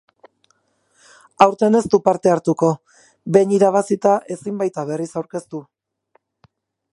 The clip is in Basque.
Aurten ez du parte hartuko, behin irabazita ezin baita berriz aurkeztu.